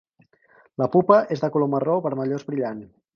La pupa és de color marró vermellós brillant.